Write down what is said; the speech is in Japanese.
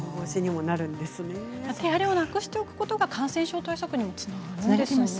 手荒れをなくしておくことが感染症対策になるんですね。